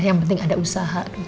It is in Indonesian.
yang penting ada usaha